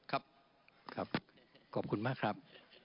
ครับขอบคุณมากครับ